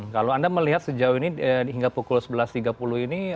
kalau anda melihat sejauh ini hingga pukul sebelas tiga puluh ini